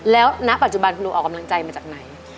แล้วณปัจจุบันคุณโอเอากำลังใจมาจากไหน